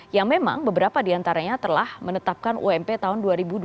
yang memang beberapa di antaranya telah menetapkan ump tahun dua ribu dua puluh tiga